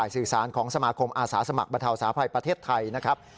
สื่อสารของสมาคมอาสาสมัครบรรเทาสาภัยประเทศไทยนะครับ